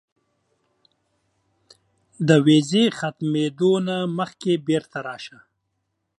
د ویزې ختمېدو نه مخکې بیرته راشه.